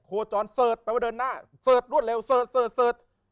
โค้ดจ้อนเซิร์ชแปลว่าเดินหน้าเซิร์ชรวดเร็วเซิร์ชเซิร์ชเซิร์ช